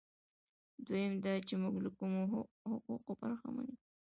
دویم دا چې موږ له کومو حقوقو برخمن یو.